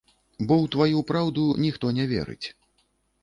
Бо ў тваю праўду ніхто не верыць.